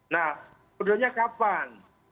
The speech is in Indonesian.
nah perbedaannya kapan